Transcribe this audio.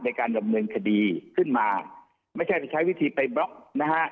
ในการดำเนินคดีขึ้นมาไม่ใช่จะใช้วิธีไปบล็อกนะฮะ